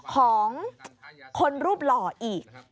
ของคนรูปหล่ออีก